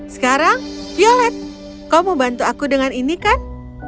sekarang violet kau mau bantu aku dengan ini kan